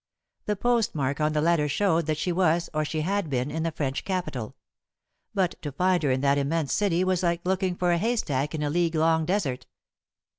The postmark on the letter showed that she was, or she had been, in the French capital; but to find her in that immense city was like looking for a haystack in a league long desert.